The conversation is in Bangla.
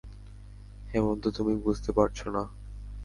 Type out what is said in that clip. হেমন্ত তুমি বুঝতে পারছো না।